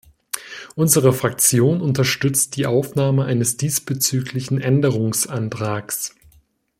Unsere Fraktion unterstützt die Aufnahme eines diesbezüglichen Änderungsantrags.